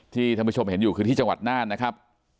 ท่านผู้ชมเห็นอยู่คือที่จังหวัดน่านนะครับ